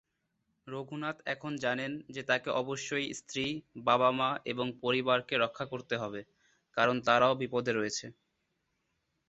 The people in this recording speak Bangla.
রঘুনাথ এখন জানেন যে তাকে অবশ্যই স্ত্রী, বাবা-মা এবং পরিবারকে রক্ষা করতে হবে, কারণ তারাও বিপদে রয়েছে।